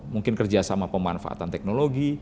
mungkin kerja sama pemanfaatan teknologi